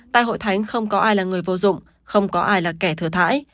tại hội thánh không có ai là người vô dụng không có ai là kẻ thừa